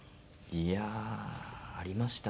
いやありましたね。